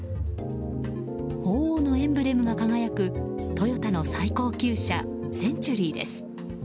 鳳凰のエンブレムが輝くトヨタの最高級車センチュリーです。